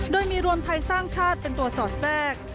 โดยมีรวมไทยสร้างชาติเป็นตัวสอดแทรก